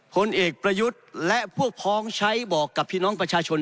ผลเอกประยุทธ์และพวกพ้องใช้บอกกับพี่น้องประชาชน